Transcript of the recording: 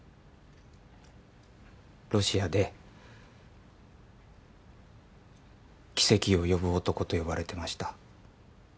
ロシアで奇跡を呼ぶ男と呼ばれてました。